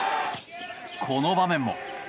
この場面も。